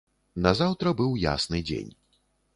Назаўтра быў ясны дзень.